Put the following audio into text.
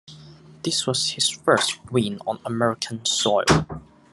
This was his first win on American soil.